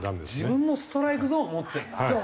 自分のストライクゾーンを持ってるんだ。